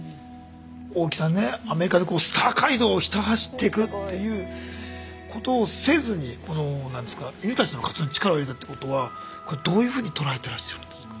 大木さんねアメリカでスター街道をひた走っていくっていうことをせずにこの犬たちの活動に力を入れたってことはどういうふうに捉えていらっしゃるんですか。